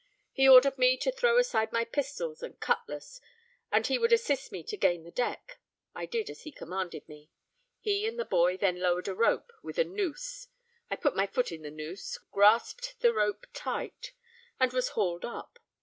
He ordered me to throw aside my pistols and cutlass, and he would assist me to gain the deck. I did as he commanded me. He and the boy then lowered a rope, with a noose; I put my foot in the noose, grasped the rope tight, and was hauled up.